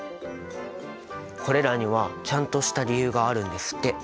これらにはちゃんとした理由があるんですって。